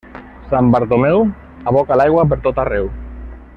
Sant Bartomeu aboca l'aigua pertot arreu.